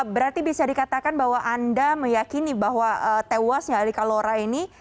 berarti bisa dikatakan bahwa anda meyakini bahwa tewasnya ali kalora ini